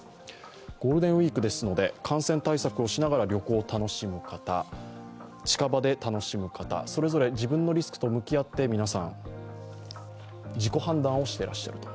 ゴールデンウイークですので感染対策をしながら旅行を楽しむ方、近場で楽しむ方、それぞれ自分のリスクと向き合って皆さん、自己判断をしていらっしゃると。